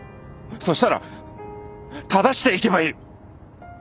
そしたら正していけばいい。